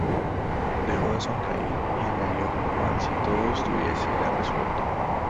dejó de sonreír, y añadió cual si todo estuviese ya resuelto: